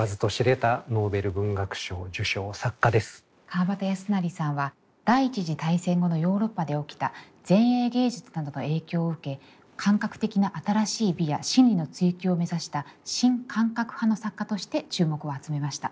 川端康成さんは第１次大戦後のヨーロッパで起きた前衛芸術などの影響を受け感覚的な新しい美や心理の追求を目指した新感覚派の作家として注目を集めました。